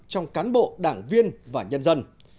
trong cán bộ đảng viên và nhân dân